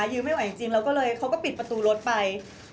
ยื้อไม่ไหวจริงแล้วก็เลยเขาก็ปิดประตูรถไป